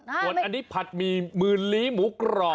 อันนี้ผัดมีหมื่นลิหมูกรอบ